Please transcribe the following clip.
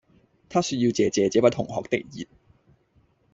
他說要謝謝這位同學的熱